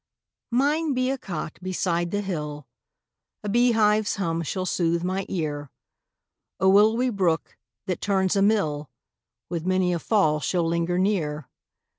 Mine be a cot beside the hill, A bee hive's hum shall sooth my ear; A willowy brook, that turns a mill, With many a fall shall linger near.